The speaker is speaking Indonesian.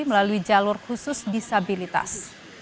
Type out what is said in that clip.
melalui jalur khusus disabilitas